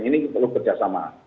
ini perlu bekerja sama